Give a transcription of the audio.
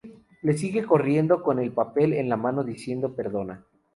Le sigue corriendo con el papel en la mano diciendo "Perdona".